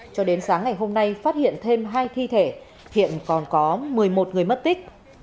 cho đến sáng ngày hôm nay phát hiện thêm hai thi thể hiện còn có một mươi một người mất tích